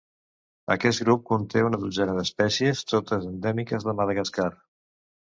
Aquest grup conté una dotzena d'espècies, totes endèmiques de Madagascar.